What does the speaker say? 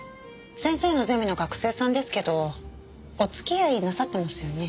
先生のゼミの学生さんですけどお付き合いなさってますよね？